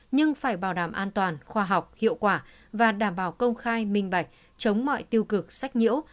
nhưng phải bảo đảm an toàn khoa học hiệu quả và đảm bảo công khai minh bạch chống mọi tiêu cực sách nhiễu